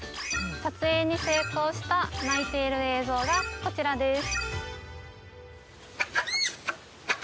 撮影に成功した鳴いている映像がこちらです